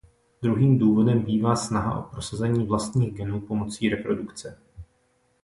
Druhým důvodem bývá snaha o prosazení vlastních genů pomocí reprodukce.